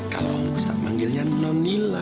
kalau om gustaf manggilnya non lila